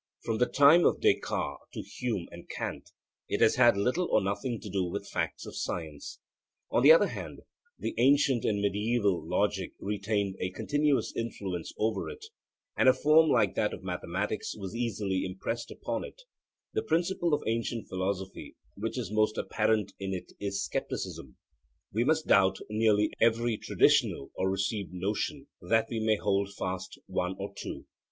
From the time of Descartes to Hume and Kant it has had little or nothing to do with facts of science. On the other hand, the ancient and mediaeval logic retained a continuous influence over it, and a form like that of mathematics was easily impressed upon it; the principle of ancient philosophy which is most apparent in it is scepticism; we must doubt nearly every traditional or received notion, that we may hold fast one or two.